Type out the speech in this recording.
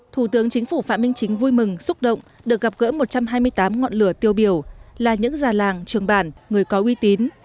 thủ tướng chính phủ phạm minh chính vui mừng xúc động được gặp gỡ một trăm hai mươi tám ngọn lửa tiêu biểu là những già làng trường bản người có uy tín